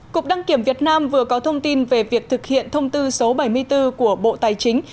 cục đăng kiểm việt nam vừa có thông tin về việc thực hiện thông tư số bảy mươi bốn của bộ tài chính